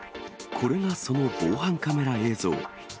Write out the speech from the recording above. これがその防犯カメラ映像。